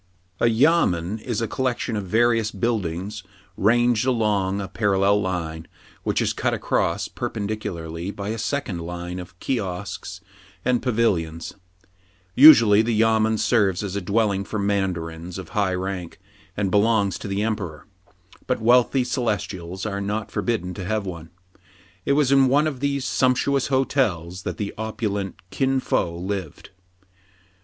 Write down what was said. A YAMEN is a collection of various buildings ranged along a parallel line, which is cut across perpendicularly by a second line of kiosks and pavilions. Usually the yamen serves as a dwelling for mandarins of high rank, and belongs to the emperor ; but wealthy celestials are not forbidden to have one. It was in one of these sumptuous hotels that the opulent Kin Fo lived.